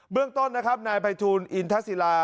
เรื่องต้นนะครับนายภัยทูลอินทศิลา